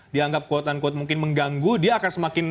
dianggap kuat kuat mungkin mengganggu dia akan semakin